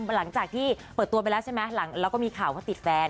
หลังจากที่เปิดตัวไปแล้วใช่ไหมแล้วก็มีข่าวว่าติดแฟน